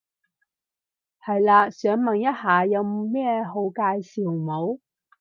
係嘞，想問一下有咩好介紹冇？